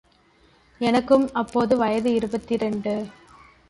எனக்கும் அப்போது வயது இருபத்திரண்டு.